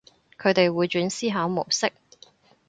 佢哋會轉思考模式